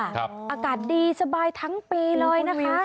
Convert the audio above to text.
อากาศดีสบายทั้งปีเลยนะคะ